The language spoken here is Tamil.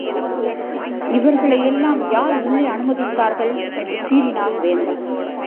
இவர்களையெல்லாம் யார் உள்ளே அனுமதித்தார்கள்? என்று சீறினார் வேந்தர்.